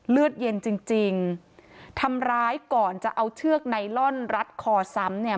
เลือดเย็นจริงจริงทำร้ายก่อนจะเอาเชือกไนลอนรัดคอซ้ำเนี่ย